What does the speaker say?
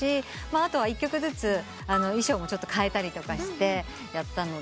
後は１曲ずつ衣装も替えたりとかしてやったので。